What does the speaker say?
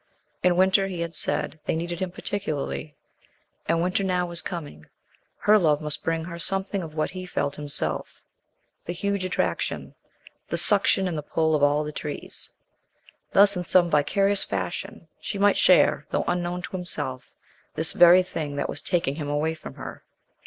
In winter, he had said, they needed him particularly, and winter now was coming. Her love must bring her something of what he felt himself the huge attraction, the suction and the pull of all the trees. Thus, in some vicarious fashion, she might share, though unknown to himself, this very thing that was taking him away from her.